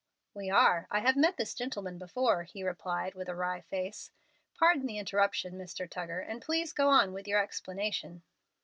"We are. I have met this gentleman before," he replied, with a wry face. "Pardon the interruption, Mr. Tuggar, and please go on with your explanation."